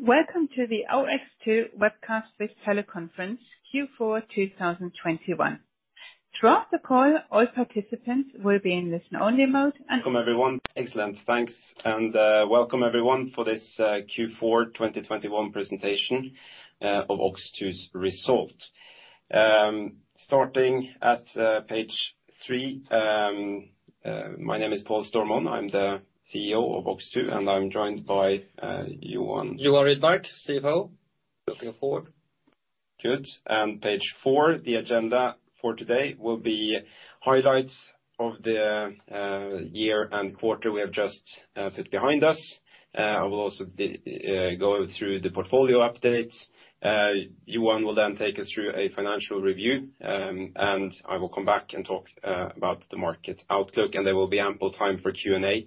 Welcome everyone. Excellent, thanks. Welcome everyone for this Q4 2021 presentation of OX2's result. Starting at page three, my name is Paul Stormoen. I'm the CEO of OX2, and I'm joined by Johan. Johan Rydmark, CFO. Looking forward. Good. Page four, the agenda for today will be highlights of the year and quarter we have just put behind us. I will also go through the portfolio updates. Johan will then take us through a financial review, and I will come back and talk about the market outlook, and there will be ample time for Q&A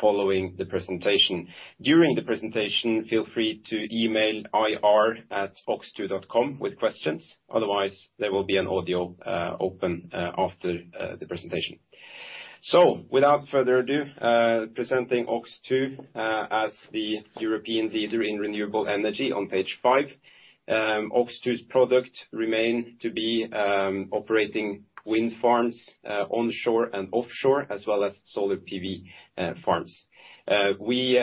following the presentation. During the presentation, feel free to email ir@ox2.com with questions. Otherwise, there will be an audio open after the presentation. Without further ado, presenting OX2 as the European leader in renewable energy on page five. OX2's product remain to be operating wind farms onshore and offshore, as well as solar PV farms. We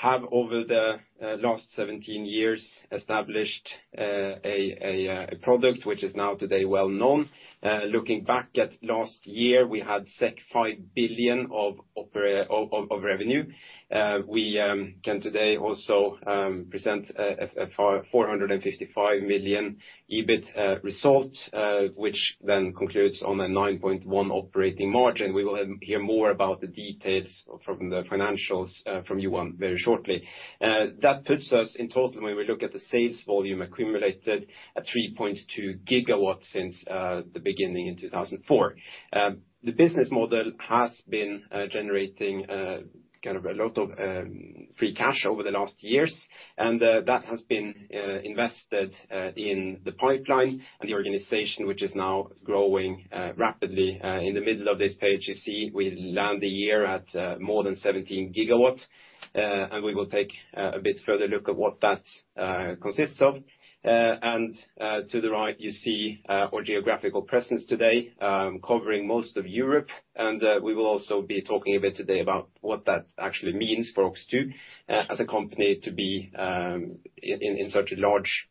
have over the last 17 years established a product which is now today well-known. Looking back at last year, we had set 5 billion of revenue. We can today also present a 455 million EBIT result, which then concludes on a 9.1% operating margin. We will hear more about the details from the financials from Johan very shortly. That puts us in total, when we look at the sales volume accumulated at 3.2 gigawatts since the beginning in 2004. The business model has been generating kind of a lot of free cash over the last years, and that has been invested in the pipeline and the organization, which is now growing rapidly. In the middle of this page, you see we land the year at more than 17 gigawatts, and we will take a bit further look at what that consists of. To the right, you see our geographical presence today, covering most of Europe, and we will also be talking a bit today about what that actually means for OX2 as a company to be in such a large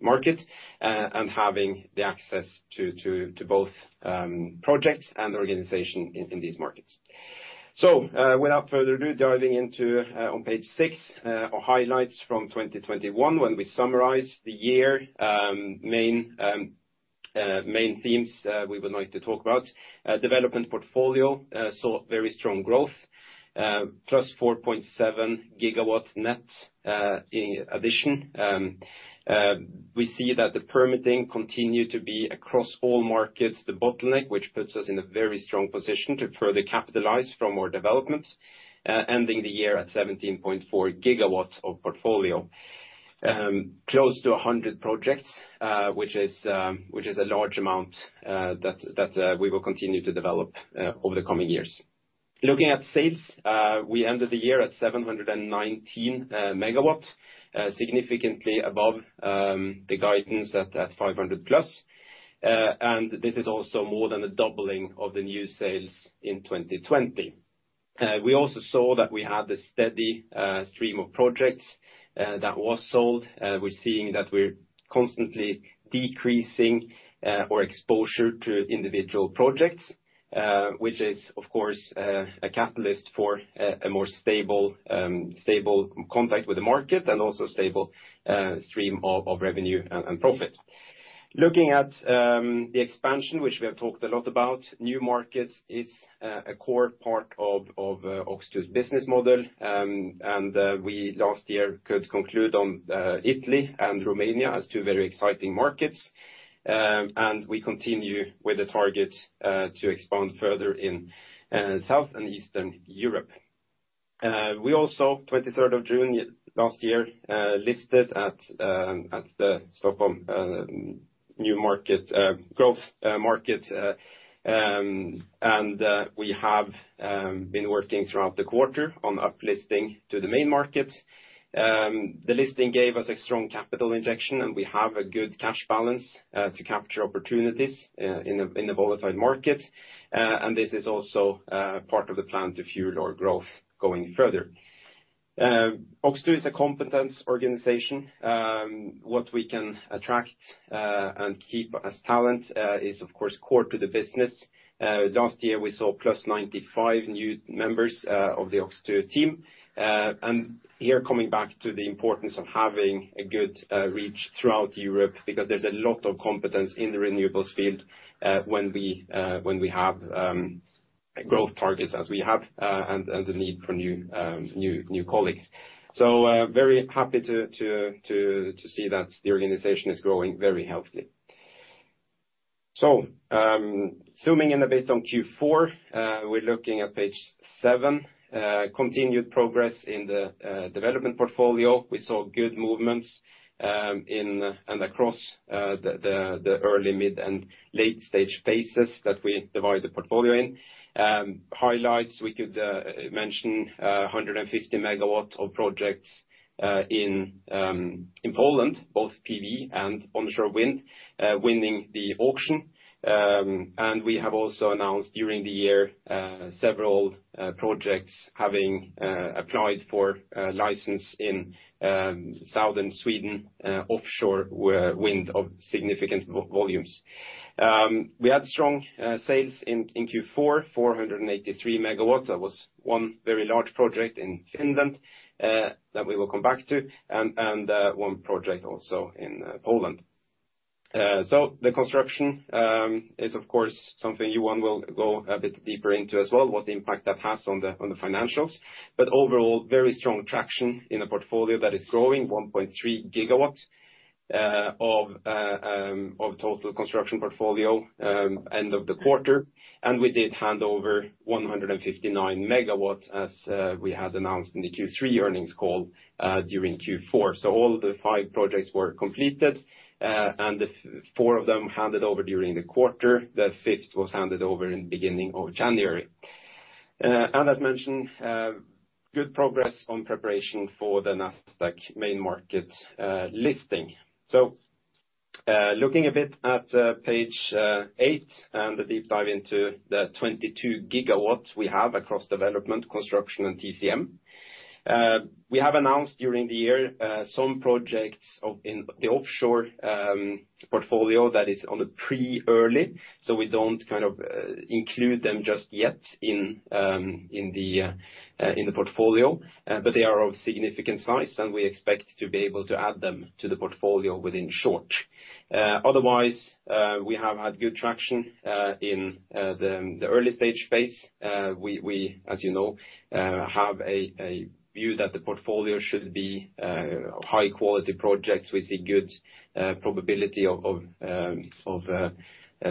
market and having the access to both projects and the organization in these markets. Without further ado, diving into on page six our highlights from 2021. When we summarize the year, main themes we would like to talk about. Development portfolio saw very strong growth, plus 4.7 GW net, in addition. We see that the permitting continued to be across all markets the bottleneck, which puts us in a very strong position to further capitalize from our development, ending the year at 17.4 GW of portfolio. Close to 100 projects, which is a large amount that we will continue to develop over the coming years. Looking at sales, we ended the year at 719 MW, significantly above the guidance at 500+. This is also more than a doubling of the new sales in 2020. We also saw that we had a steady stream of projects that was sold. We're seeing that we're constantly decreasing our exposure to individual projects, which is, of course, a catalyst for a more stable contact with the market and also stable stream of revenue and profit. Looking at the expansion, which we have talked a lot about, new markets is a core part of OX2's business model. We last year could conclude on Italy and Romania as two very exciting markets. We continue with the target to expand further in South and Eastern Europe. We also, twenty-third of June last year, listed at the Stockholm New Market Growth Market. We have been working throughout the quarter on uplisting to the main market. The listing gave us a strong capital injection, and we have a good cash balance to capture opportunities in the volatile market. This is also part of the plan to fuel our growth going further. OX2 is a competence organization. What we can attract and keep as talent is of course core to the business. Last year, we saw +95 new members of the OX2 team. Here, coming back to the importance of having a good reach throughout Europe, because there's a lot of competence in the renewables field when we have growth targets as we have and the need for new colleagues. Very happy to see that the organization is growing very healthily. Zooming in a bit on Q4, we're looking at page seven. Continued progress in the development portfolio. We saw good movements in and across the early, mid- and late-stage phases that we divide the portfolio in. Highlights, we could mention 150 MW of projects in Poland, both PV and onshore wind, winning the auction. We have also announced during the year several projects having applied for a license in southern Sweden, offshore wind of significant volumes. We had strong sales in Q4, 483 MW. That was one very large project in Finland that we will come back to and one project also in Poland. The construction is of course something Johan will go a bit deeper into as well, what impact that has on the financials. Overall, very strong traction in a portfolio that is growing 1.3 GW of total construction portfolio end of the quarter. We did hand over 159 MW as we had announced in the Q3 earnings call during Q4. All of the five projects were completed and the four of them handed over during the quarter. The fifth was handed over in the beginning of January. As mentioned, good progress on preparation for the Nasdaq main market listing. Looking a bit at page eigh and the deep dive into the 22 GW we have across development, construction, and TCM. We have announced during the year some projects in the offshore portfolio that is in the early. We don't kind of include them just yet in the portfolio. They are of significant size, and we expect to be able to add them to the portfolio within short. Otherwise, we have had good traction in the early stage phase. We, as you know, have a view that the portfolio should be high quality projects with a good probability of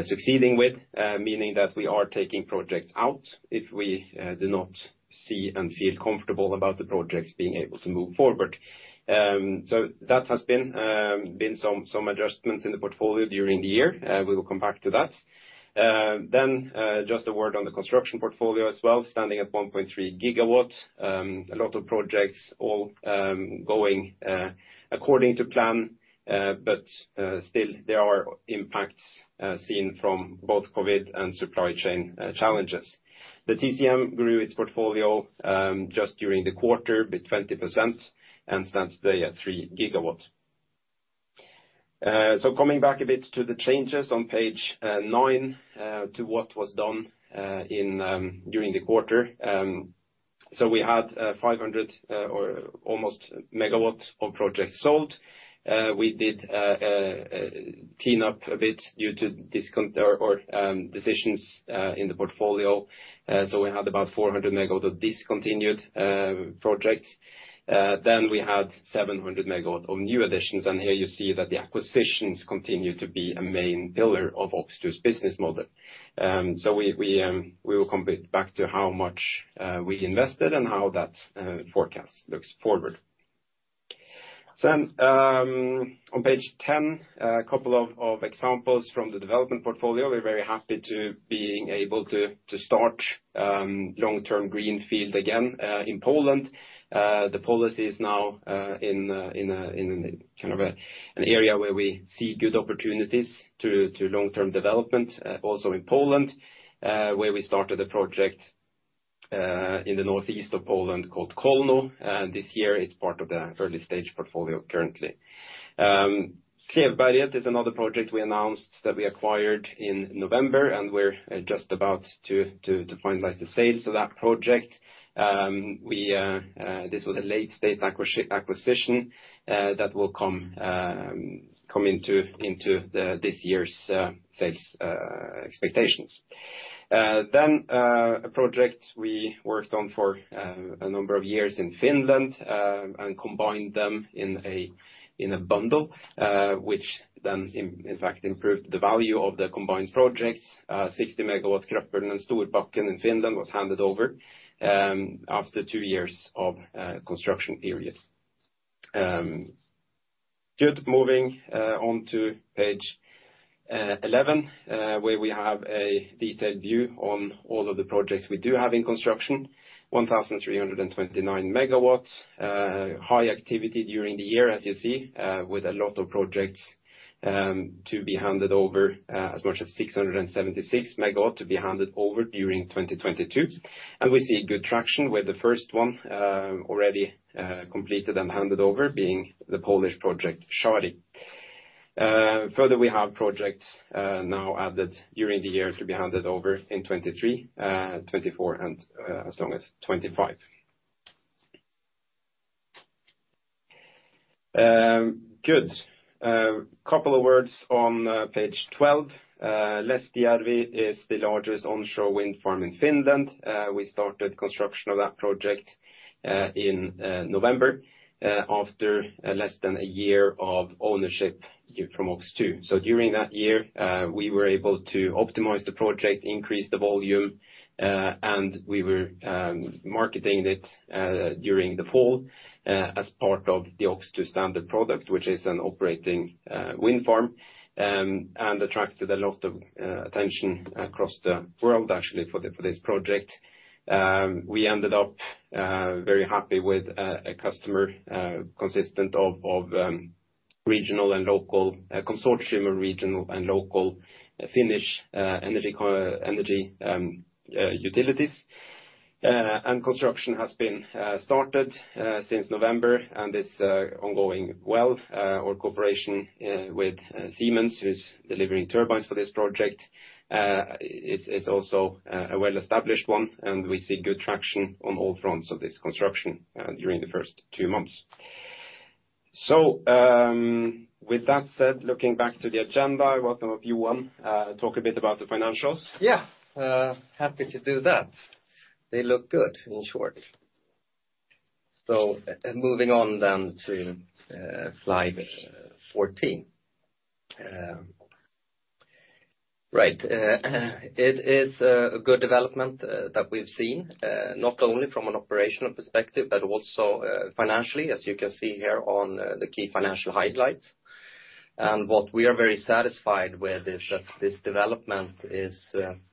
succeeding with meaning that we are taking projects out if we do not see and feel comfortable about the projects being able to move forward. That has been some adjustments in the portfolio during the year. We will come back to that. Just a word on the construction portfolio as well, standing at 1.3 GW. A lot of projects all going according to plan, but still there are impacts seen from both COVID and supply chain challenges. The TCM grew its portfolio just during the quarter with 20% and stands today at 3 GW. Coming back a bit to the changes on page nine to what was done during the quarter. We had 500 or almost MW of projects sold. We did clean up a bit due to decisions in the portfolio. We had about 400 MW of discontinued projects. We had 700 MW of new additions, and here you see that the acquisitions continue to be a main pillar of OX2's business model. We will come back to how much we invested and how that forecast looks forward. On page 10, a couple of examples from the development portfolio. We're very happy to being able to start long-term greenfield again in Poland. The policy is now in kind of an area where we see good opportunities to long-term development, also in Poland, where we started a project in the Northeast of Poland called Kolno. This year, it's part of the early-stage portfolio currently. Klevberget is another project we announced that we acquired in November, and we're just about to finalize the sale. That project was a late-stage acquisition that will come into this year's sales expectations. A project we worked on for a number of years in Finland, and combined them in a bundle, which then in fact improved the value of the combined projects. 60 MW Kröpuln and Storbacken in Finland was handed over after two years of construction period. Good. Moving onto page 11, where we have a detailed view on all of the projects we do have in construction. 1,329 MW. High activity during the year, as you see, with a lot of projects to be handed over, as much as 676 MW during 2022. We see good traction with the first one already completed and handed over being the Polish project, Szarlota. Further, we have projects now added during the year to be handed over in 2023, 2024, and as long as 2025. Good. Couple of words on page 12. Lestijärvi is the largest onshore wind farm in Finland. We started construction of that project in November after less than a year of ownership from OX2. During that year, we were able to optimize the project, increase the volume, and we were marketing it during the fall as part of the OX2 standard product, which is an operating wind farm and attracted a lot of attention across the world, actually, for this project. We ended up very happy with a customer consisting of a consortium of regional and local Finnish energy utilities. Construction has been started since November, and it's ongoing well. Our cooperation with Siemens, who's delivering turbines for this project, is also a well-established one, and we see good traction on all fronts of this construction during the first two months. With that said, looking back to the agenda, I welcome you to talk a bit about the financials. Yeah, happy to do that. They look good, in short. Moving on then to slide 14. Right. It is a good development that we've seen, not only from an operational perspective, but also financially, as you can see here on the key financial highlights. What we are very satisfied with is that this development is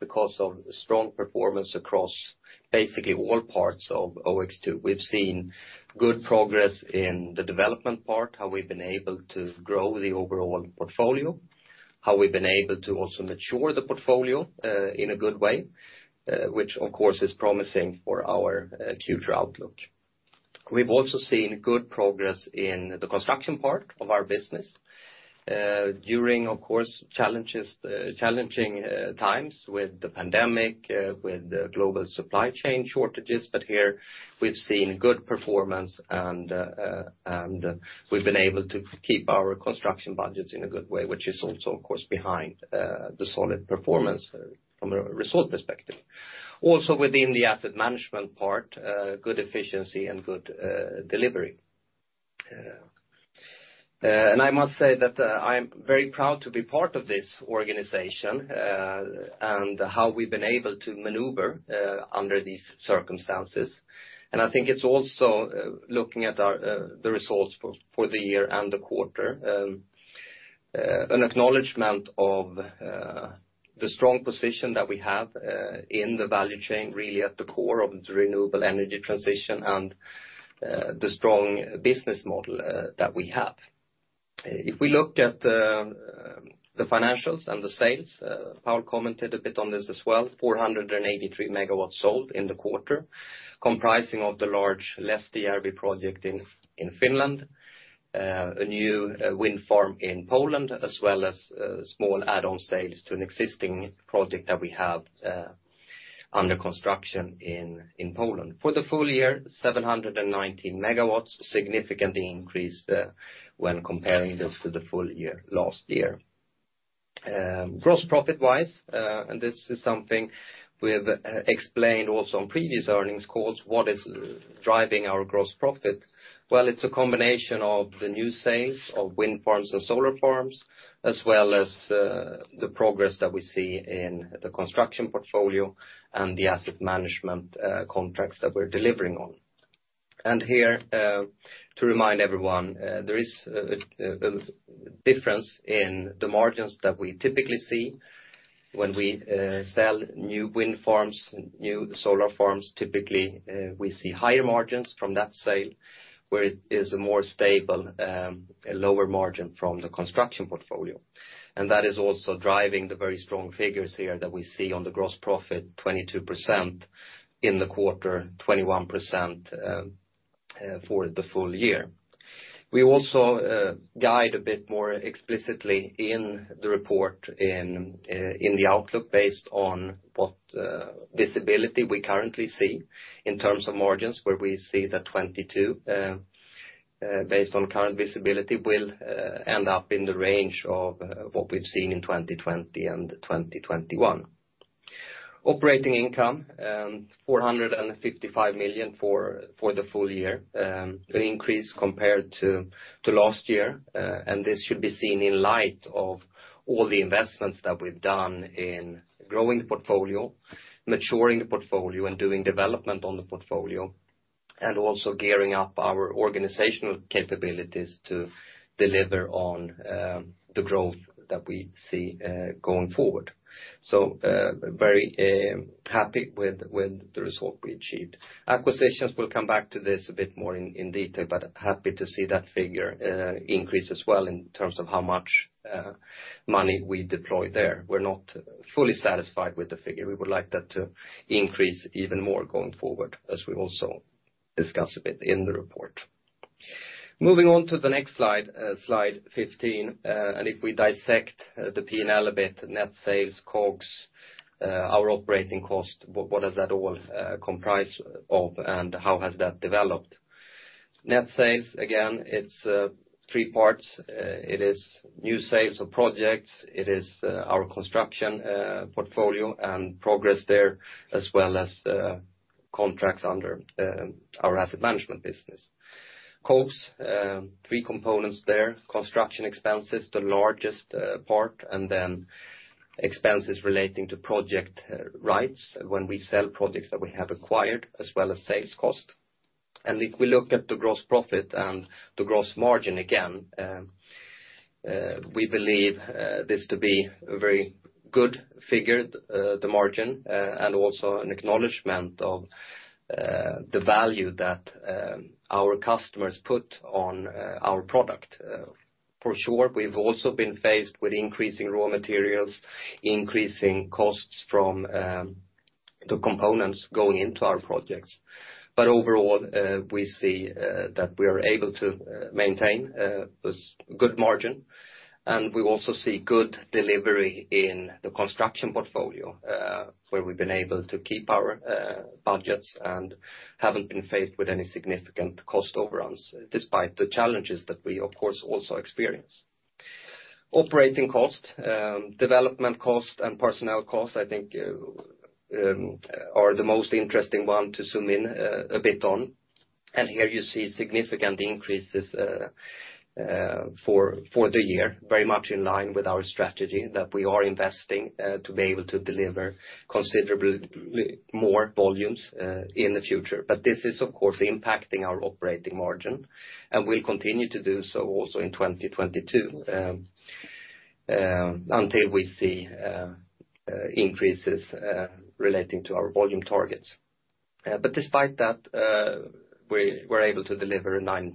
because of strong performance across basically all parts of OX2. We've seen good progress in the development part, how we've been able to grow the overall portfolio, how we've been able to also mature the portfolio, in a good way, which of course is promising for our future outlook. We've also seen good progress in the construction part of our business, during, of course, challenging times with the pandemic, with the global supply chain shortages. Here we've seen good performance and we've been able to keep our construction budgets in a good way, which is also, of course, behind the solid performance from a result perspective. Also, within the asset management part, good efficiency and good delivery. I must say that, I'm very proud to be part of this organization, and how we've been able to maneuver, under these circumstances. I think it's also looking at our the results for the year and the quarter, an acknowledgement of the strong position that we have in the value chain, really at the core of the renewable energy transition and the strong business model that we have. If we look at the financials and the sales, Paul commented a bit on this as well, 483 MW sold in the quarter, comprising of the large Lestijärvi project in Finland, a new wind farm in Poland, as well as small add-on sales to an existing project that we have under construction in Poland. For the full year, 719 MW, significantly increased when comparing this to the full year last year. Gross profit-wise, this is something we've explained also on previous earnings calls, what is driving our gross profit. Well, it's a combination of the new sales of wind farms and solar farms, as well as the progress that we see in the construction portfolio and the asset management contracts that we're delivering on. Here, to remind everyone, there is a difference in the margins that we typically see when we sell new wind farms, new solar farms. Typically, we see higher margins from that sale, where it is a more stable, lower margin from the construction portfolio. That is also driving the very strong figures here that we see on the gross profit, 22% in the quarter, 21% for the full year. We also guide a bit more explicitly in the report in the outlook based on what visibility we currently see in terms of margins, where we see that 22%, based on current visibility, will end up in the range of what we've seen in 2020 and 2021. Operating income, 455 million for the full year, an increase compared to last year. This should be seen in light of all the investments that we've done in growing the portfolio, maturing the portfolio, and doing development on the portfolio, and also gearing up our organizational capabilities to deliver on the growth that we see going forward. Very happy with the result we achieved. Acquisitions, we'll come back to this a bit more in detail, but happy to see that figure increase as well in terms of how much money we deploy there. We're not fully satisfied with the figure. We would like that to increase even more going forward, as we also discuss a bit in the report. Moving on to the next slide 15. If we dissect the P&L a bit, net sales, COGS, our operating cost, what does that all comprise of and how has that developed? Net sales, again, it's three parts. It is new sales of projects, it is our construction portfolio and progress there, as well as contracts under our asset management business. COGS, three components there. Construction expenses, the largest part, and then expenses relating to project rights when we sell projects that we have acquired, as well as sales cost. If we look at the gross profit and the gross margin, again, we believe this to be a very good figure, the margin, and also an acknowledgement of the value that our customers put on our product. For sure, we've also been faced with increasing raw materials, increasing costs from the components going into our projects. Overall, we see that we are able to maintain this good margin, and we also see good delivery in the construction portfolio, where we've been able to keep our budgets and haven't been faced with any significant cost overruns despite the challenges that we, of course, also experience. Operating cost, development cost, and personnel cost, I think, are the most interesting one to zoom in a bit on. Here you see significant increases for the year, very much in line with our strategy that we are investing to be able to deliver considerably more volumes in the future. This is, of course, impacting our operating margin, and will continue to do so also in 2022 until we see increases relating to our volume targets. Despite that, we're able to deliver a 9%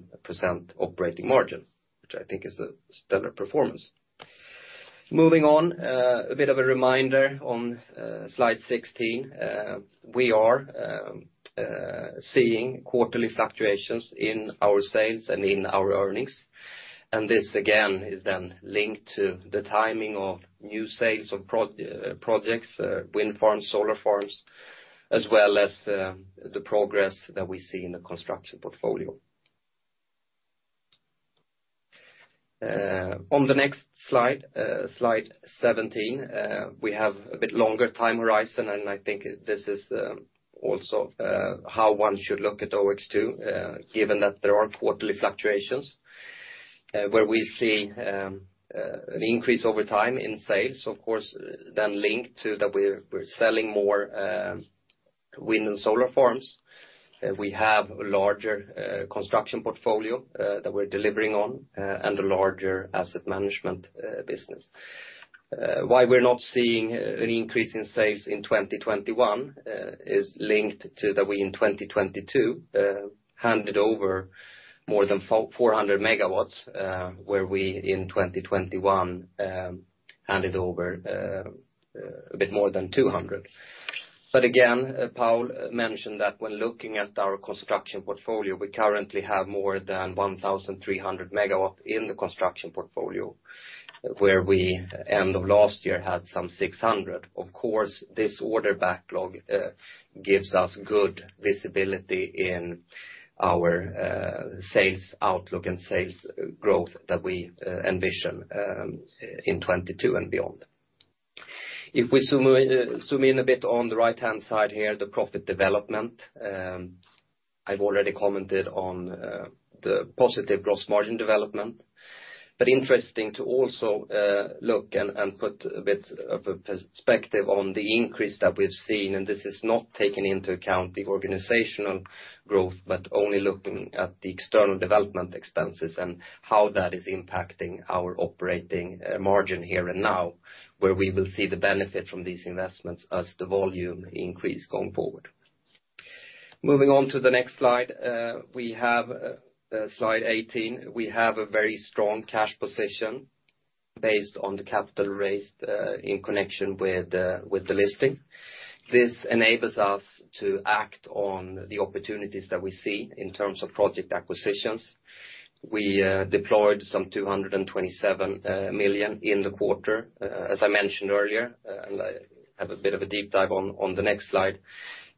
operating margin, which I think is a stellar performance. Moving on, a bit of a reminder on slide 16. We are seeing quarterly fluctuations in our sales and in our earnings. This, again, is then linked to the timing of new sales of projects, wind farms, solar farms, as well as the progress that we see in the construction portfolio. On the next slide 17, we have a bit longer time horizon, and I think this is also how one should look at OX2, given that there are quarterly fluctuations. Where we see an increase over time in sales, of course, then linked to that we're selling more wind and solar farms. We have a larger construction portfolio that we're delivering on, and a larger asset management business. Why we're not seeing an increase in sales in 2021 is linked to that we, in 2022, handed over more than 400 MW, where we in 2021 handed over a bit more than 200 MW. Again, Paul mentioned that when looking at our construction portfolio, we currently have more than 1,300 MW in the construction portfolio, where we end of last year had some 600. Of course, this order backlog gives us good visibility in our sales outlook and sales growth that we envision in 2022 and beyond. If we zoom in a bit on the right-hand side here, the profit development, I've already commented on the positive gross margin development. Interesting to also look and put a bit of a perspective on the increase that we've seen, and this is not taking into account the organizational growth, but only looking at the external development expenses and how that is impacting our operating margin here and now, where we will see the benefit from these investments as the volume increase going forward. Moving on to the next slide, we have slide 18. We have a very strong cash position based on the capital raised in connection with the listing. This enables us to act on the opportunities that we see in terms of project acquisitions. We deployed some 227 million in the quarter, as I mentioned earlier, and I have a bit of a deep dive on the next slide.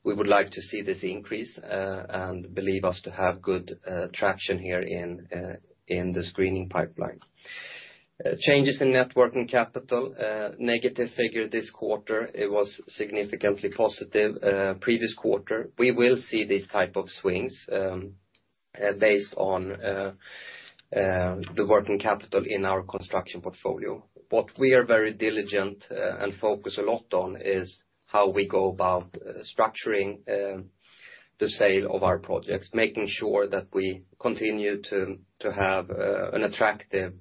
We would like to see this increase, and believe us to have good traction here in the selling pipeline. Changes in net working capital, negative figure this quarter, it was significantly positive previous quarter. We will see these type of swings based on the working capital in our construction portfolio. What we are very diligent and focus a lot on is how we go about structuring the sale of our projects, making sure that we continue to have an attractive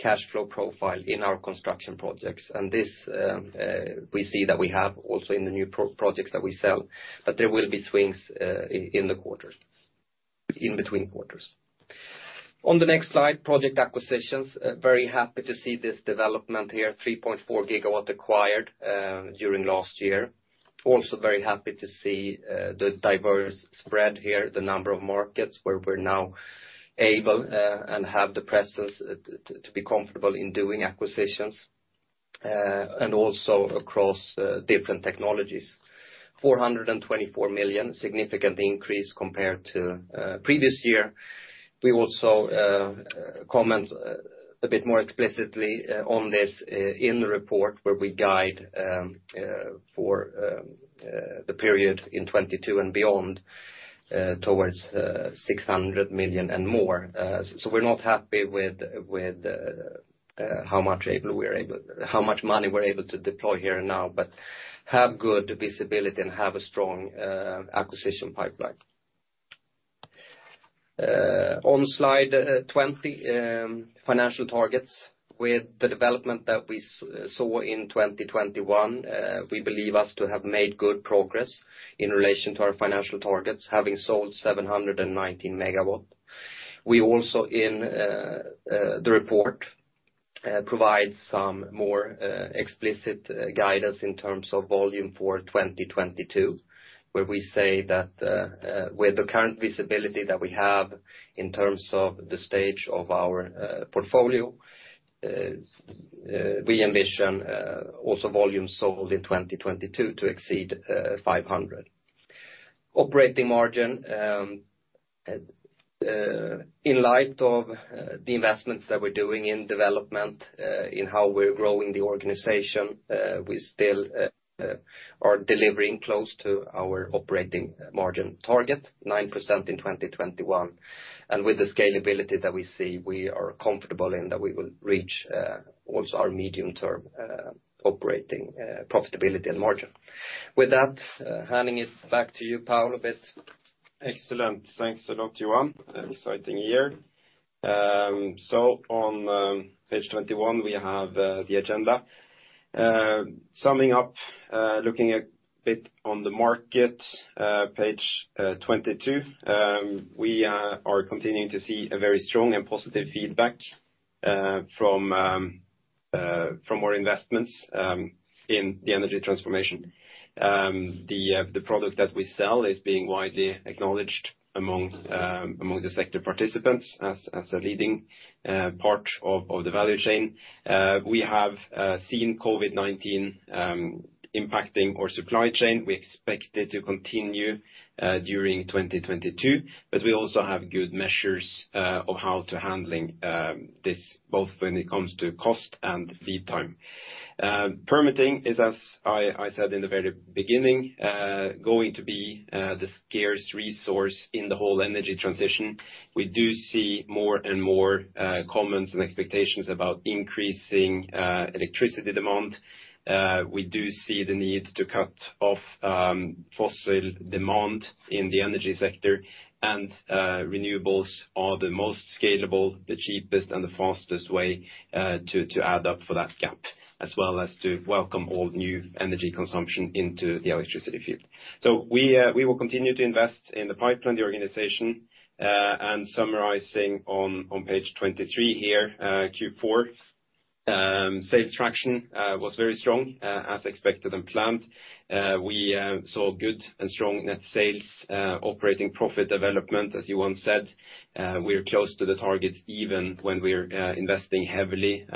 cash flow profile in our construction projects. This we see that we have also in the new projects that we sell, that there will be swings in the quarters, in between quarters. On the next slide, project acquisitions. Very happy to see this development here, 3.4 GW acquired during last year. Also very happy to see the diverse spread here, the number of markets where we're now able and have the presence to be comfortable in doing acquisitions. Also across different technologies. 424 million, significant increase compared to previous year. We also comment a bit more explicitly on this in the report where we guide for the period in 2022 and beyond towards 600 million and more. We're not happy with how much money we're able to deploy here and now, but have good visibility and have a strong acquisition pipeline. On slide 20, financial targets. With the development that we saw in 2021, we believe us to have made good progress in relation to our financial targets, having sold 719 MW. We also in the report provide some more explicit guidance in terms of volume for 2022, where we say that with the current visibility that we have in terms of the stage of our portfolio, we envision also volumes sold in 2022 to exceed 500. Operating margin in light of the investments that we're doing in development in how we're growing the organization, we still are delivering close to our operating margin target, 9% in 2021. With the scalability that we see, we are comfortable in that we will reach also our medium-term operating profitability and margin. With that, handing it back to you, Paul, a bit. Excellent. Thanks a lot, Johan. An exciting year. On page 21, we have the agenda. Summing up, looking a bit on the market, page 22, we are continuing to see a very strong and positive feedback from our investments in the energy transformation. The product that we sell is being widely acknowledged among the sector participants as a leading part of the value chain. We have seen COVID-19 impacting our supply chain. We expect it to continue during 2022, but we also have good measures of how to handle this, both when it comes to cost and lead time. Permitting is, as I said in the very beginning, going to be the scarce resource in the whole energy transition. We do see more and more comments and expectations about increasing electricity demand. We do see the need to cut off fossil demand in the energy sector. Renewables are the most scalable, the cheapest, and the fastest way to add up for that gap, as well as to welcome all new energy consumption into the electricity field. We will continue to invest in the pipeline, the organization, and summarizing on page 23 here, Q4 sales traction was very strong, as expected and planned. We saw good and strong net sales, operating profit development, as Johan said. We're close to the target even when we're investing heavily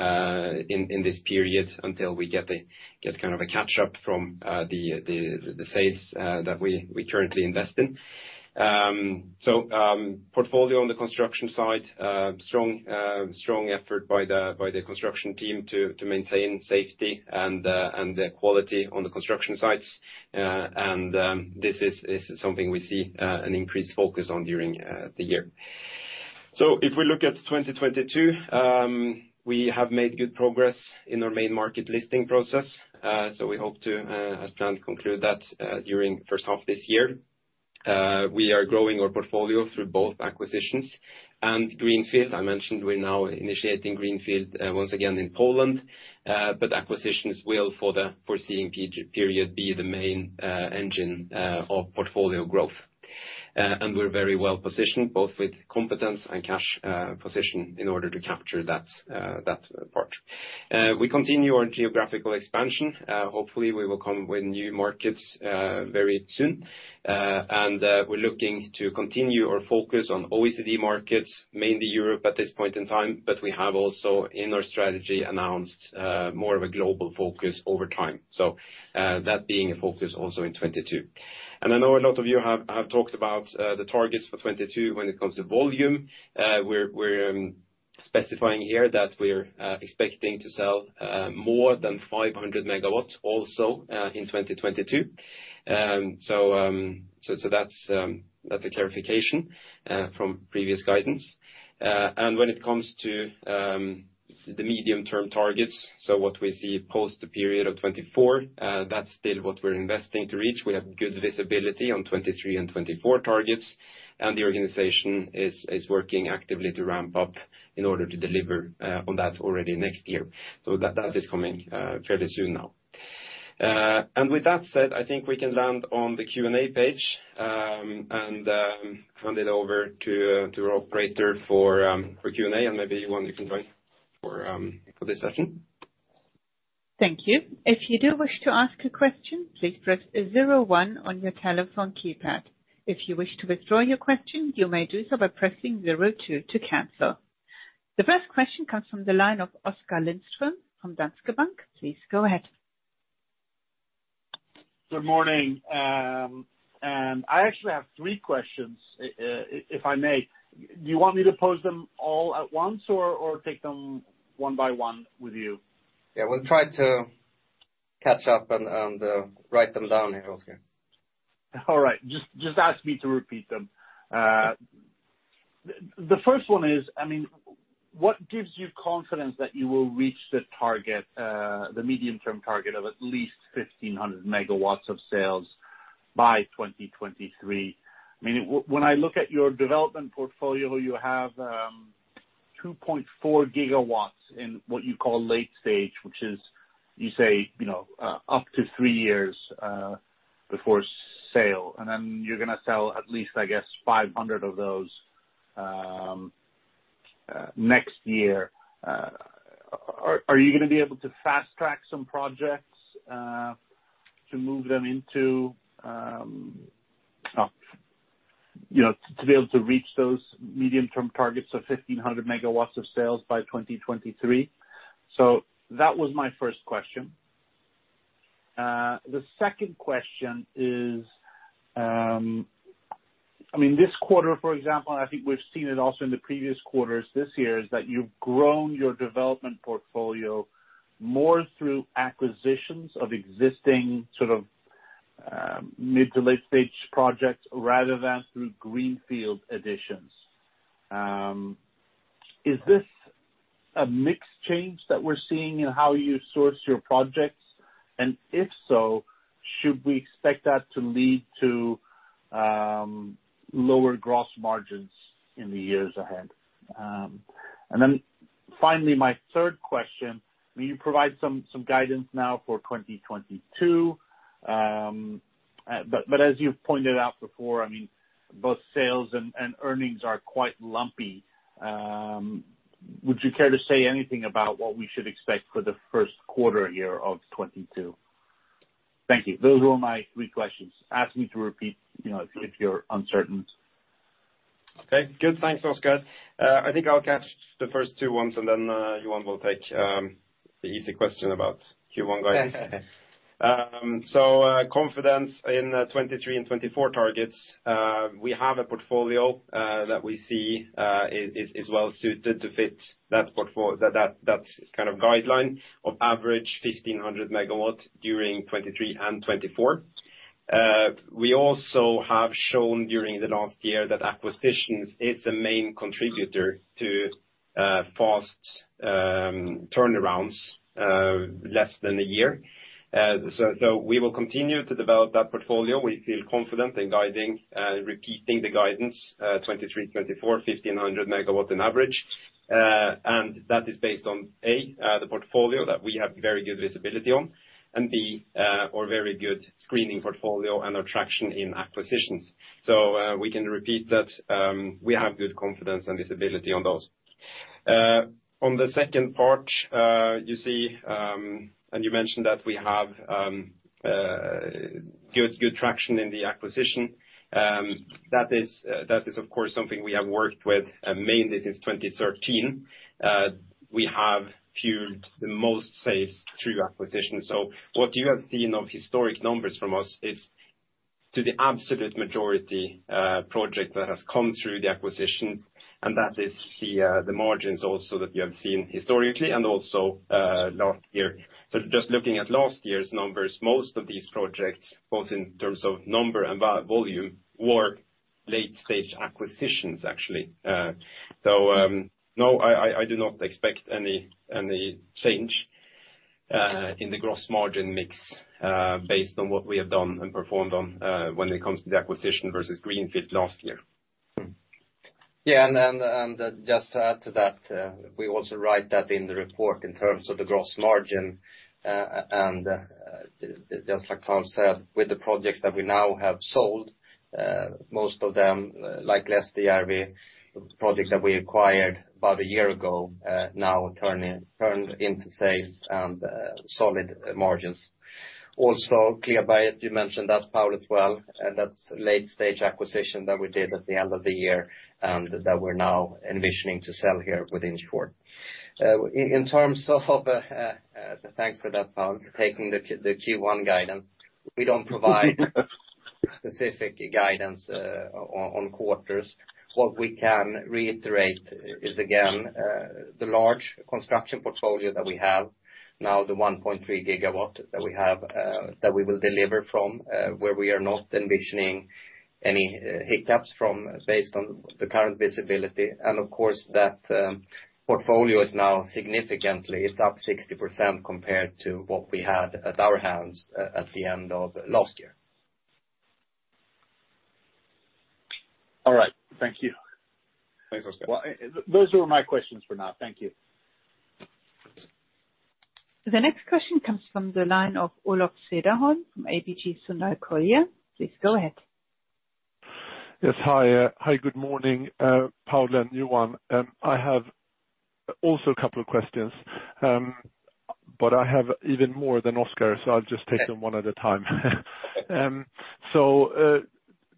in this year until we get kind of a catch-up from the sales that we currently invest in. Portfolio on the construction side, strong effort by the construction team to maintain safety and the quality on the construction sites. This is something we see, an increased focus on during the year. If we look at 2022, we have made good progress in our main market listing process. We hope to, as planned, conclude that during first half this year. We are growing our portfolio through both acquisitions and greenfield. I mentioned we're now initiating greenfield once again in Poland. Acquisitions will, for the foreseeable period, be the main engine of portfolio growth. We're very well-positioned, both with competence and cash position in order to capture that part. We continue our geographical expansion. Hopefully, we will come with new markets very soon. We're looking to continue our focus on OECD markets, mainly Europe at this point in time. We have also, in our strategy, announced more of a global focus over time. That being a focus also in 2022. I know a lot of you have talked about the targets for 2022 when it comes to volume. We're specifying here that we're expecting to sell more than 500 MW also in 2022. That's a clarification from previous guidance. When it comes to the medium-term targets, so what we see post the period of 2024, that's still what we're investing to reach. We have good visibility on 2023 and 2024 targets, and the organization is working actively to ramp up in order to deliver on that already next year. That is coming fairly soon now. With that said, I think we can land on the Q&A page, and hand it over to our operator for Q&A. Maybe Johan, you can join for this session. Thank you. If you do wish to ask a question, please press zero one on your telephone keypad. If you wish to withdraw your question, you may do so by pressing zero two to cancel. The first question comes from the line of Oskar Lindström from Danske Bank. Please go ahead. Good morning. I actually have three questions, if I may. Do you want me to pose them all at once or take them one by one with you? Yeah. We'll try to catch up and write them down here, Oskar. All right. Just ask me to repeat them. The first one is, I mean, what gives you confidence that you will reach the target, the medium-term target of at least 1,500 MW of sales by 2023? I mean, when I look at your development portfolio, you have 2.4 GW in what you call late stage, which is you say, you know, up to 3 years before sale. Then you're gonna sell at least, I guess, 500 of those next year. Are you gonna be able to fast-track some projects, you know, to be able to reach those medium-term targets of 1,500 MW of sales by 2023? That was my first question. The second question is, I mean, this quarter, for example, I think we've seen it also in the previous quarters this year, is that you've grown your development portfolio more through acquisitions of existing sort of mid to late-stage projects rather than through greenfield additions. Is this a mixed change that we're seeing in how you source your projects? And if so, should we expect that to lead to lower gross margins in the years ahead? And then finally, my third question. Will you provide some guidance now for 2022, but as you've pointed out before, I mean, both sales and earnings are quite lumpy. Would you care to say anything about what we should expect for the first quarter of 2022? Thank you. Those were my three questions. Ask me to repeat, you know, if you're uncertain. Okay, good. Thanks, Oskar. I think I'll catch the first two ones, and then Johan will take the easy question about Q1 guidance. Confidence in 2023 and 2024 targets. We have a portfolio that we see is well suited to fit that kind of guideline of average 1,500 MW during 2023 and 2024. We also have shown during the last year that acquisitions is the main contributor to fast turnarounds less than a year. We will continue to develop that portfolio. We feel confident in guiding, repeating the guidance, 2023, 2024, 1,500 MW on average. That is based on A, the portfolio that we have very good visibility on, and B, our very good screening portfolio and our traction in acquisitions. We can repeat that we have good confidence and visibility on those. On the second part, you see, and you mentioned that we have good traction in the acquisition. That is of course something we have worked with mainly since 2013. We have fueled the most sales through acquisitions. What you have seen of historic numbers from us is to the absolute majority project that has come through the acquisitions, and that is the margins also that you have seen historically and also last year. Just looking at last year's numbers, most of these projects, both in terms of number and by volume, were late-stage acquisitions, actually. No, I do not expect any change in the gross margin mix based on what we have done and performed on when it comes to the acquisition versus greenfield last year. Just to add to that, we also write that in the report in terms of the gross margin. Just like Paul said, with the projects that we now have sold, most of them, like Lestijärvi, projects that we acquired about a year ago, now turned into sales and solid margins. Also, Klevberget, you mentioned that, Paul, as well. That's late-stage acquisition that we did at the end of the year and that we're now envisioning to sell here within short. In terms of, thanks for that, Paul, taking the Q1 guidance, we don't provide specific guidance on quarters. What we can reiterate is again, the large construction portfolio that we have now, the 1.3 GW that we have, that we will deliver from where we are not envisioning any hiccups from based on the current visibility. Of course that portfolio is now significantly, it's up 60% compared to what we had at our hands at the end of last year. All right. Thank you. Thanks, Oskar. Well, those are my questions for now. Thank you. The next question comes from the line of Olof Svedholm from ABG Sundal Collier. Please go ahead. Yes. Hi, good morning, Paul and Johan. I have also a couple of questions. I have even more than Oscar, so I'll just take them one at a time.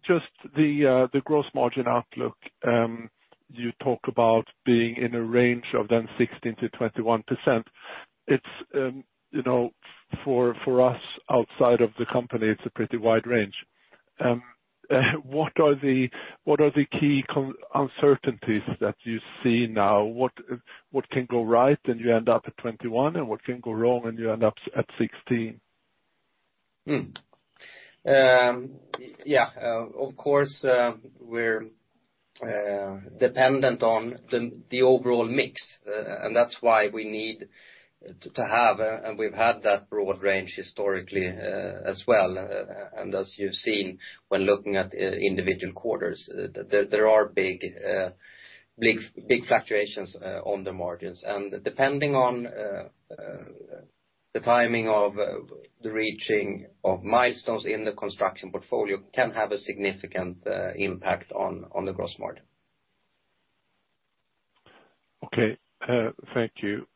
Just the gross margin outlook, you talk about being in a range of 16%-21%. It's, you know, for us outside of the company, it's a pretty wide range. What are the key uncertainties that you see now? What can go right and you end up at 21%, and what can go wrong and you end up at 16%? Yeah. Of course, we're dependent on the overall mix, and that's why we need to have, and we've had that broad range historically, as well. As you've seen when looking at individual quarters, there are big fluctuations on the margins. Depending on the timing of the reaching of milestones in the construction portfolio can have a significant impact on the gross margin. Okay. Thank you.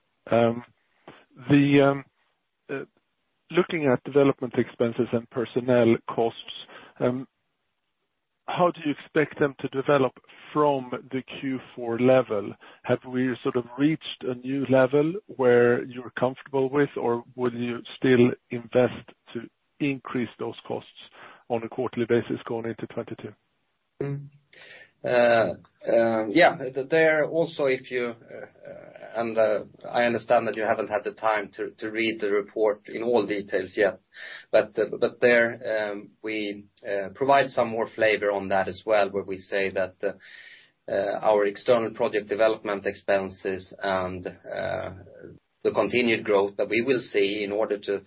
Looking at development expenses and personnel costs, how do you expect them to develop from the Q4 level? Have we sort of reached a new level where you're comfortable with, or would you still invest to increase those costs on a quarterly basis going into 2022? I understand that you haven't had the time to read the report in all details yet, but we provide some more flavor on that as well, where we say that our external project development expenses and the continued growth that we will see in order to,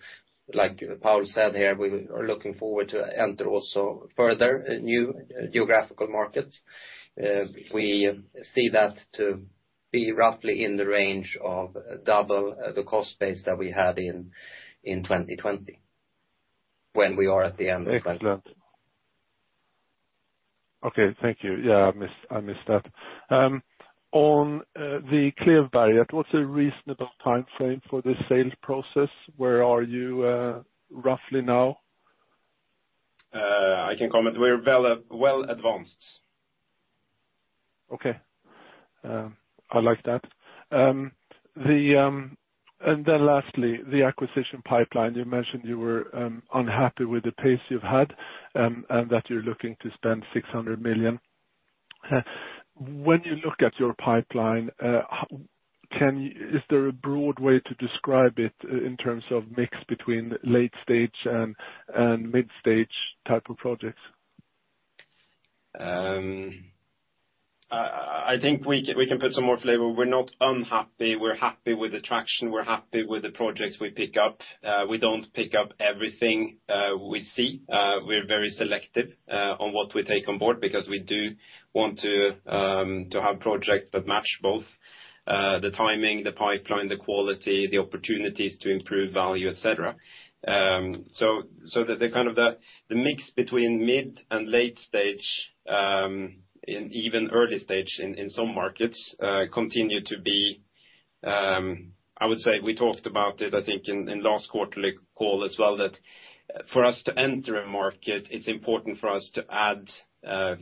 like Paul said here, we are looking forward to enter also further new geographical markets. We see that to be roughly in the range of double the cost base that we had in 2020. When we are at the end of twenty- Excellent. Okay, thank you. Yeah, I missed that. On the Klevberget, what's a reasonable timeframe for the sales process? Where are you roughly now? I can comment. We're well advanced. Okay. I like that. Lastly, the acquisition pipeline. You mentioned you were unhappy with the pace you've had, and that you're looking to spend 600 million. When you look at your pipeline, is there a broad way to describe it in terms of mix between late stage and mid-stage type of projects? I think we can put some more flavor. We're not unhappy. We're happy with the traction. We're happy with the projects we pick up. We don't pick up everything we see. We're very selective on what we take on board because we do want to have projects that match both the timing, the pipeline, the quality, the opportunities to improve value, et cetera. The kind of mix between mid and late stage and even early stage in some markets continue to be. I would say we talked about it, I think, in last quarterly call as well, that for us to enter a market, it's important for us to add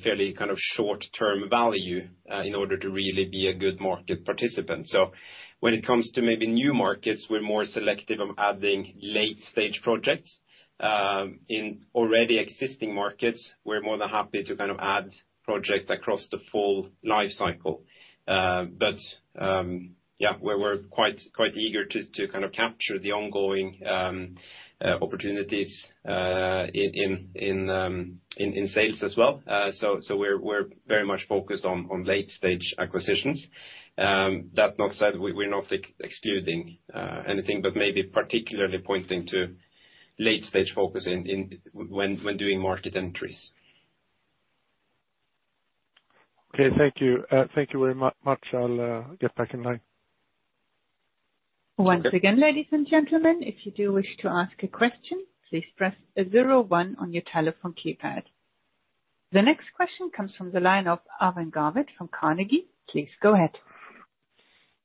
fairly kind of short-term value in order to really be a good market participant. When it comes to maybe new markets, we're more selective of adding late-stage projects. In already existing markets, we're more than happy to kind of add project across the full life cycle. We're quite eager to kind of capture the ongoing opportunities in sales as well. We're very much focused on late-stage acquisitions. That said, we're not excluding anything, but maybe particularly pointing to late-stage focus in when doing market entries. Okay, thank you. Thank you very much. I'll get back in line. Once again, ladies and gentlemen, if you do wish to ask a question, please press 01 on your telephone keypad. The next question comes from the line of Arvid Garvik from Carnegie. Please go ahead.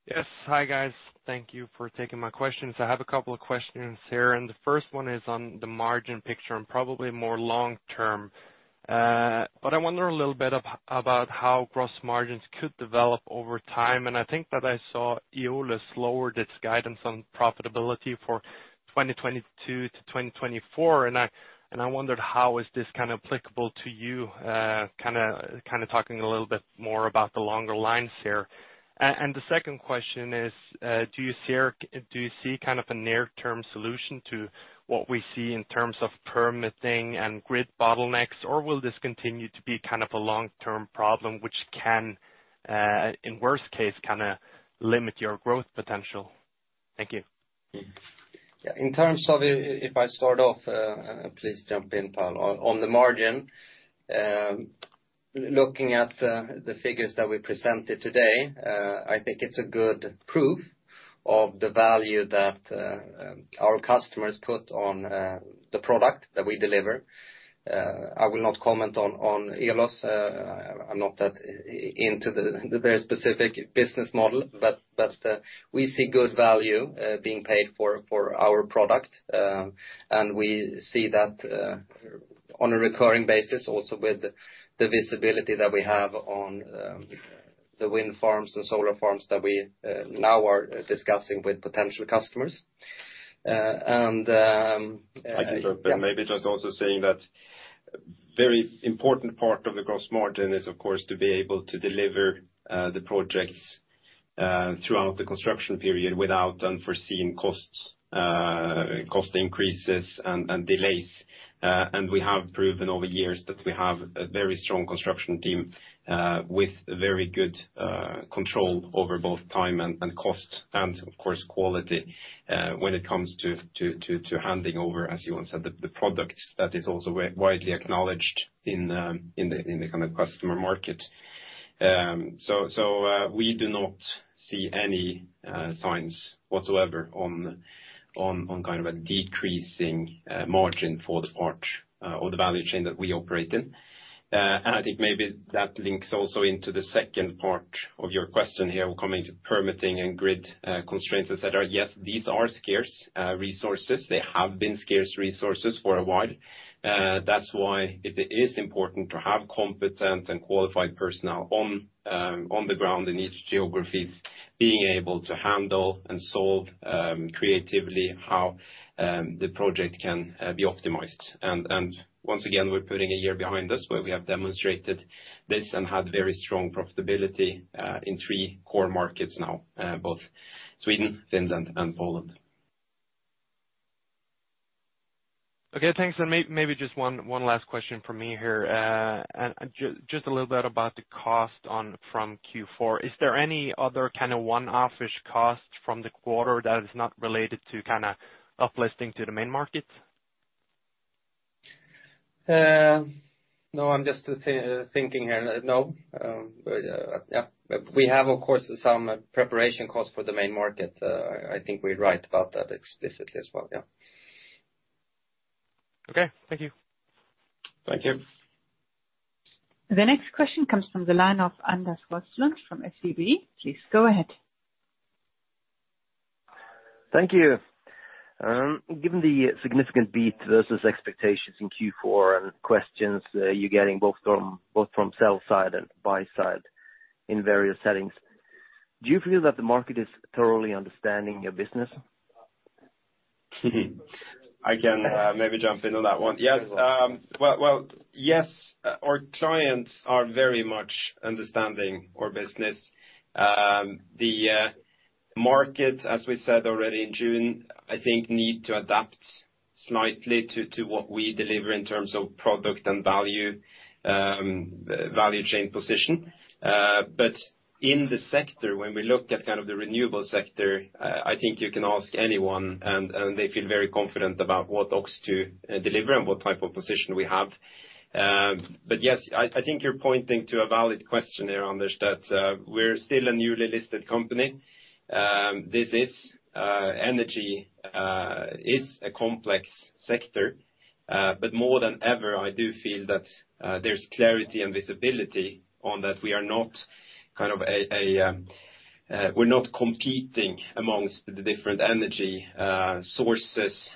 Yes. Hi, guys. Thank you for taking my questions. I have a couple of questions here, and the first one is on the margin picture and probably more long-term. I wonder a little bit about how gross margins could develop over time. I think that I saw Eolus lowered its guidance on profitability for 2022 to 2024. I wondered how is this kind of applicable to you? Kinda talking a little bit more about the longer term here. The second question is, do you see kind of a near-term solution to what we see in terms of permitting and grid bottlenecks? Or will this continue to be kind of a long-term problem which can, in worst case, kinda limit your growth potential? Thank you. Yeah. In terms of, if I start off, please jump in, Paul, on the margin, looking at the figures that we presented today, I think it's a good proof of the value that our customers put on the product that we deliver. I will not comment on Eolus. I'm not that into the very specific business model, but we see good value being paid for our product, and we see that on a recurring basis, also with the visibility that we have on the wind farms and solar farms that we now are discussing with potential customers. And I can jump in. Maybe just also saying that very important part of the gross margin is, of course, to be able to deliver the projects throughout the construction period without unforeseen costs, cost increases and delays. We have proven over years that we have a very strong construction team with very good control over both time and cost and of course, quality when it comes to handing over, as Johan said, the product that is also widely acknowledged in the customer market. We do not see any signs whatsoever on kind of a decreasing margin for the part or the value chain that we operate in. I think maybe that links also into the second part of your question here coming to permitting and grid constraints, etc. Yes, these are scarce resources. They have been scarce resources for a while. That's why it is important to have competent and qualified personnel on the ground in each geographies, being able to handle and solve creatively how the project can be optimized. Once again, we're putting a year behind us where we have demonstrated this and had very strong profitability in three core markets now, both Sweden, Finland, and Poland. Okay, thanks. Maybe just one last question from me here. Just a little bit about the costs from Q4. Is there any other kind of one-off-ish cost from the quarter that is not related to kinda uplisting to the main market? No, I'm just thinking here. We have, of course, some preparation costs for the main market. I think we write about that explicitly as well. Okay. Thank you. Thank you. The next question comes from the line of Anders Swartling from SEB. Please go ahead. Thank you. Given the significant beat versus expectations in Q4 and questions you're getting both from sell side and buy side in various settings, do you feel that the market is thoroughly understanding your business? I can maybe jump into that one. Yes. Well, yes, our clients are very much understanding our business. The market, as we said already in June, I think need to adapt slightly to what we deliver in terms of product and value chain position. In the sector, when we look at kind of the renewable sector, I think you can ask anyone and they feel very confident about what OX2 deliver and what type of position we have. Yes, I think you're pointing to a valid question there, Anders, that we're still a newly listed company. Energy is a complex sector. More than ever, I do feel that there's clarity and visibility on that we are not kind of a, we're not competing amongst the different energy sources.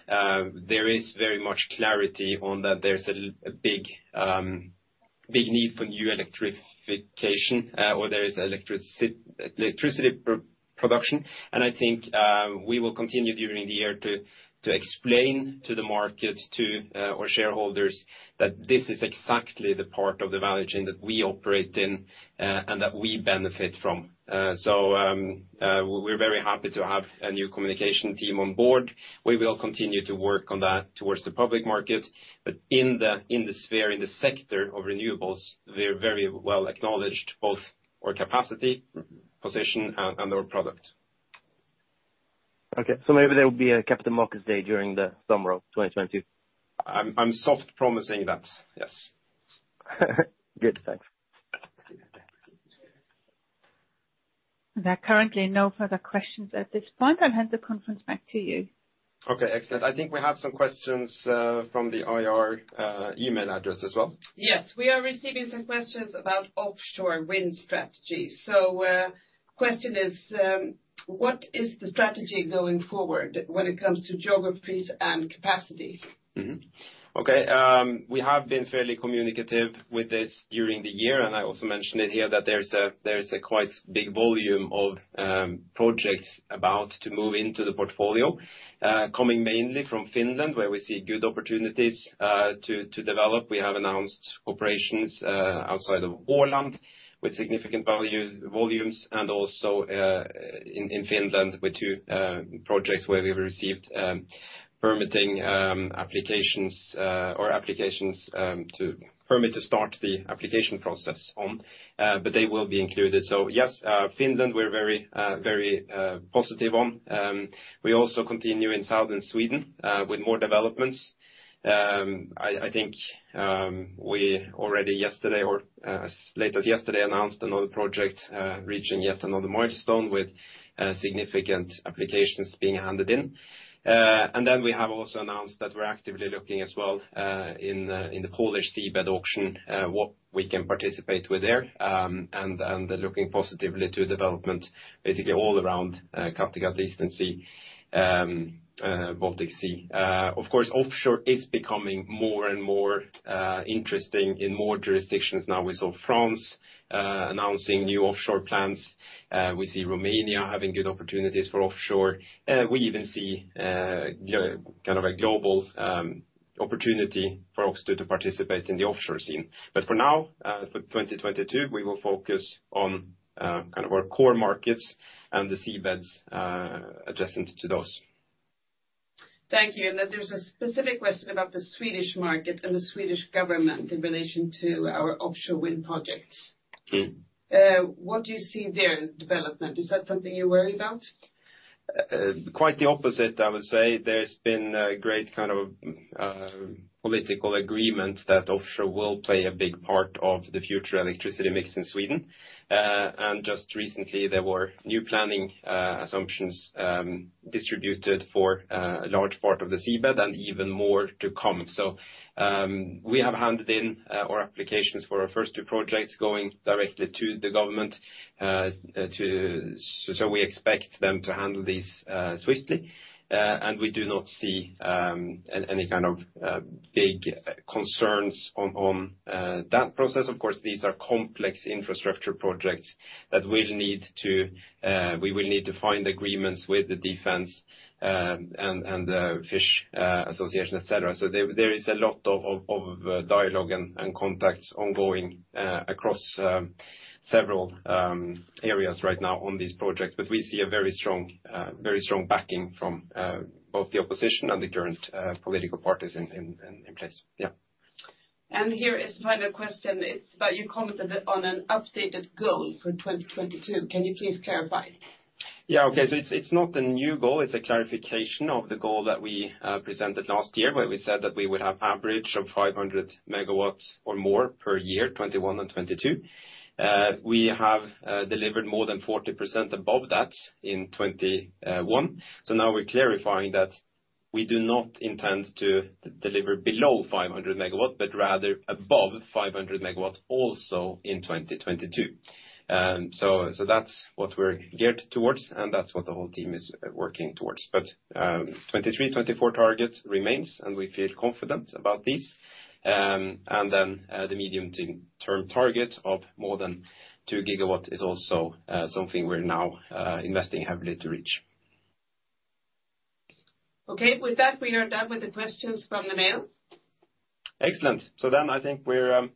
There is very much clarity on that there's a big need for new electrification, or there is electricity production. I think we will continue during the year to explain to the markets, to our shareholders that this is exactly the part of the value chain that we operate in, and that we benefit from. We're very happy to have a new communication team on board. We will continue to work on that towards the public market. In the sphere, in the sector of renewables, we're very well acknowledged, both our capacity, position and our product. Okay. Maybe there will be a Capital Markets Day during the summer of 2022. I'm sort of promising that. Yes. Good. Thanks. There are currently no further questions at this point. I'll hand the conference back to you. Okay, excellent. I think we have some questions from the IR email address as well. Yes. We are receiving some questions about offshore wind strategy. Question is, what is the strategy going forward when it comes to geographies and capacity? Okay. We have been fairly communicative with this during the year, and I also mentioned it here that there's a quite big volume of projects about to move into the portfolio, coming mainly from Finland, where we see good opportunities to develop. We have announced operations outside of Åland with significant value, volumes, and also in Finland with two projects where we've received permitting applications or applications to permit to start the application process on, but they will be included. Yes, Finland we're very positive on. We also continue in southern Sweden with more developments. I think we already yesterday or as late as yesterday announced another project reaching yet another milestone with significant applications being handed in. We have also announced that we're actively looking as well in the Polish seabed auction what we can participate with there, and looking positively to development basically all around Kattegat Sea, Baltic Sea. Of course, offshore is becoming more and more interesting in more jurisdictions now. We saw France announcing new offshore plans. We see Romania having good opportunities for offshore. We even see kind of a global opportunity for OX2 to participate in the offshore scene. For now, for 2022, we will focus on kind of our core markets and the seabeds adjacent to those. Thank you. Then there's a specific question about the Swedish market and the Swedish government in relation to our offshore wind projects. What do you see there in development? Is that something you're worried about? Quite the opposite, I would say. There's been a great kind of political agreement that offshore will play a big part of the future electricity mix in Sweden. Just recently, there were new planning assumptions distributed for a large part of the seabed, and even more to come. We have handed in our applications for our first two projects going directly to the government. We expect them to handle this swiftly. We do not see any kind of big concerns on that process. Of course, these are complex infrastructure projects that we will need to find agreements with the defense and the fish association, et cetera. There is a lot of dialogue and contacts ongoing across several areas right now on these projects. We see a very strong backing from both the opposition and the current political parties in place. Yeah. Here is final question. It's that you commented on an updated goal for 2022. Can you please clarify? Yeah. Okay. It's not a new goal, it's a clarification of the goal that we presented last year, where we said that we would have average of 500 MW or more per year, 2021 and 2022. We have delivered more than 40% above that in 2021. Now we're clarifying that we do not intend to deliver below 500 MW, but rather above 500 MW also in 2022. That's what we're geared towards, and that's what the whole team is working towards. 2023, 2024 target remains, and we feel confident about this. The medium- to long-term target of more than 2 GW is also something we're now investing heavily to reach. Okay. With that, we are done with the questions from the mail. Excellent. I think we're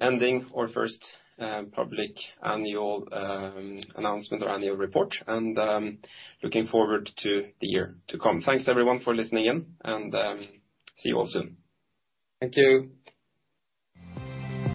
ending our first public annual announcement or annual report, and looking forward to the year to come. Thanks, everyone, for listening in, and see you all soon. Thank you.